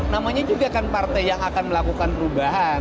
namanya juga kan partai yang akan melakukan perubahan